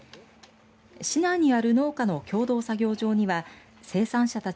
市内にある農家の共同作業場には生産者たち